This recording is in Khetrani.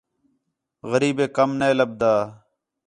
غریبیک کَم نے لَبھدا